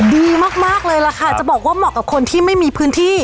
ดีมากเลยล่ะค่ะจะบอกว่าเหมาะกับคนที่ไม่มีพื้นที่